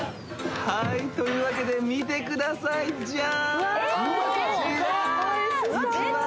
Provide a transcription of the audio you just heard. はいというわけで見てくださいジャーン！